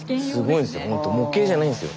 すごいですよね。